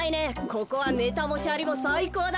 ここはネタもシャリもさいこうだよ。